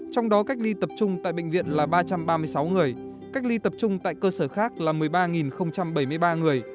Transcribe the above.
trong đó cách ly tập trung tại bệnh viện là ba trăm ba mươi sáu người cách ly tập trung tại cơ sở khác là một mươi ba bảy mươi ba người